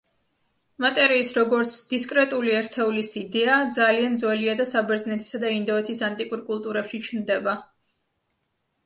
მატერიის, როგორც დისკრეტული ერთეულის იდეა ძალიან ძველია და საბერძნეთისა და ინდოეთის ანტიკურ კულტურებში ჩნდება.